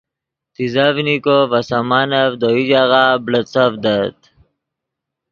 تیزڤنیکو ڤے سامانف دے یو ژاغہ بڑیڅڤدت